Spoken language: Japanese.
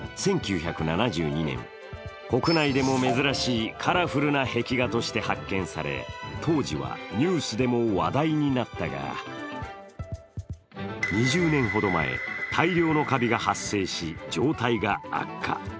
１９７２年、国内でも珍しいカラフルな壁画として発見され当時はニュースでも話題になったが、２０年ほど前、大量のかびが発生し状態が悪化。